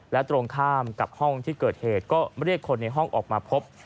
และตรงข้ามกับห้องที่เกิดเหตุก็เรียกคนในห้องออกมาพบ